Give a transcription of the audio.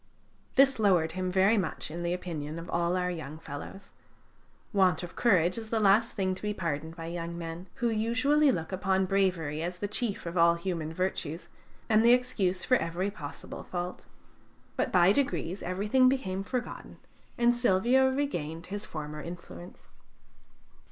This lowered him very much in the opinion of all our young fellows. Want of courage is the last thing to be pardoned by young men, who usually look upon bravery as the chief of all human virtues, and the excuse for every possible fault. But, by degrees, everything became forgotten, and Silvio regained his former influence.